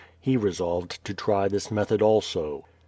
He resolved to try this method also.